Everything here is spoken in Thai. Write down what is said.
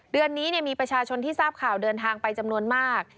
เดือนนี้มีประชาชนที่ทราบข่าวเดินทางไปจำนวนมาก